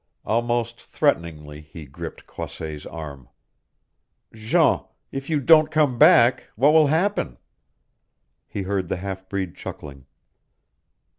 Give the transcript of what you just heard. Almost threateningly he gripped Croisset's arm. "Jean if you don't come back what will happen?" He heard the half breed chuckling.